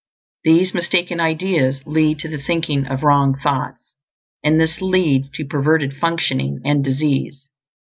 These mistaken ideas lead to the thinking of wrong thoughts, and this leads to perverted functioning and disease.